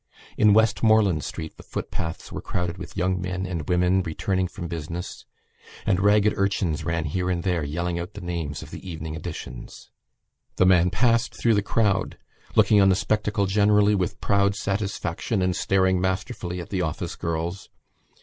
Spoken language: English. In Westmoreland Street the footpaths were crowded with young men and women returning from business and ragged urchins ran here and there yelling out the names of the evening editions. The man passed through the crowd, looking on the spectacle generally with proud satisfaction and staring masterfully at the office girls.